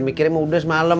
mikirnya udah semalem